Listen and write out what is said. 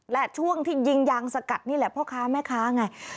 และช่วงที่ยิงยางสกัดนี่แหละพ่อค้าแม่ค้าไง